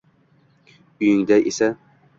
uyingda esa